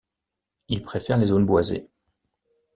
Il préfère les zones boisées.